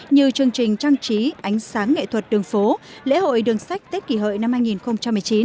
như chương trình trang trí ánh sáng nghệ thuật đường phố lễ hội đường sách tết kỷ hợi năm hai nghìn một mươi chín